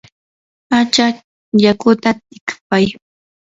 achaq yakuta tikpay.